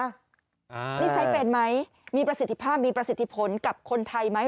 นี่ใช้เป็นไหมมีประสิทธิภาพมีประสิทธิผลกับคนไทยไหม